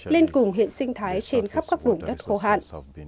lên cùng hiện sinh thái trên khắp các vùng đất khô hạn